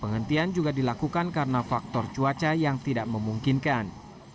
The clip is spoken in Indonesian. penghentian juga dilakukan karena faktor cuaca yang tidak memungkinkan